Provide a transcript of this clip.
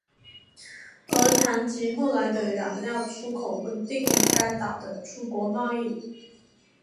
而糖及后来的染料出口稳定了该岛的出口贸易。